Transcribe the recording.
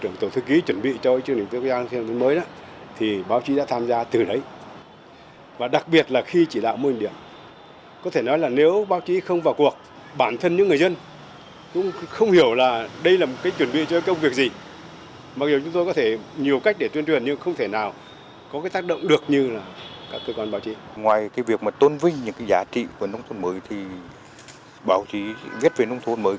ngoài việc mà tôn vinh những giá trị của nông thôn mới thì báo chí viết về nông thôn mới